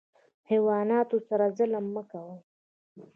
حیواناتو سره ظلم مه کوئ